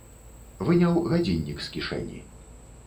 Выняў гадзіннік з кішэні.